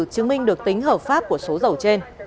chứng minh được tính hợp pháp của số dầu trên